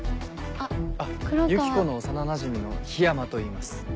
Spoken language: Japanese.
あっユキコの幼なじみの緋山といいます。